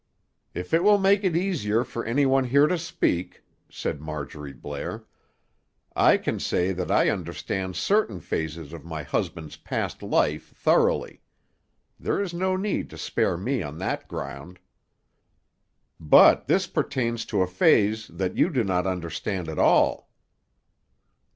"If it will make it easier for any one here to speak," said Marjorie Blair, "I can say that I understand certain phases of my husband's past life, thoroughly. There is no need to spare me on that ground." "But this pertains to a phase that you do not understand at all."